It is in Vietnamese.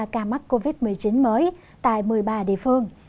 ca mắc covid một mươi chín mới tại một mươi ba địa phương